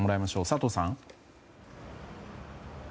佐藤さん。